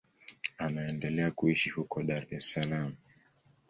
Anaendelea kuishi huko Dar es Salaam.